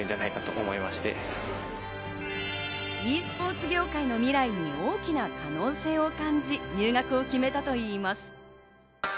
ｅスポーツ業界の未来に大きな可能性を感じ、入学を決めたといいます。